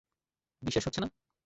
বিশ্বাস হচ্ছে না?